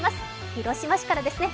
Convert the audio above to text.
広島市からですね。